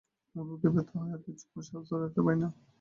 আমার বুকে ব্যথা হয় আর বেশিক্ষণ শ্বাস ধরে রাখতে পারি না।